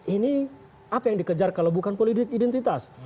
ini apa yang dikejar kalau bukan politik identitas